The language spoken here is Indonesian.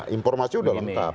informasi sudah lengkap